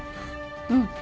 うん。